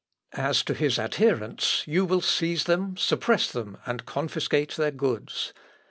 "As to his adherents you will seize them, suppress them, and confiscate their goods.